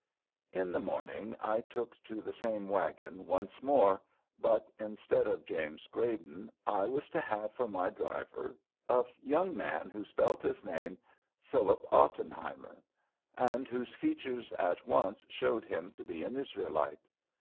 In the morning I took to the same wagon once more, but, instead of James Grayden, I was to have for my driver a young man who spelt his name "Phillip Ottenheimer" and whose features at once showed him to be an Israelite.